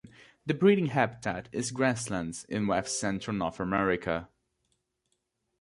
The breeding habitat is grasslands in west-central North America.